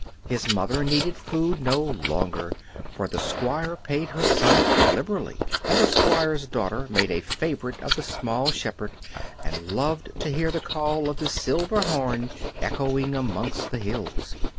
His mother needed food no longer, for the Squire paid her son liberally and the Squire's daughter made a favorite of the small shepherd and loved to hear the call of his silver horn echoing amongst the hills.